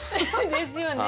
ですよね。